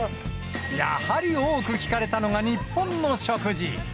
やはり多く聞かれたのが日本の食事。